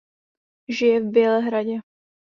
Žije v Bělehradě.